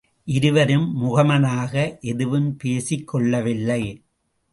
இருவரும் முகமனாக எதுவும் பேசிக் கொள்ளவில்லை.